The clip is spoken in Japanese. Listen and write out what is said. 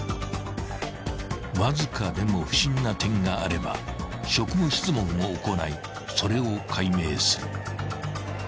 ［わずかでも不審な点があれば職務質問を行いそれを解明する］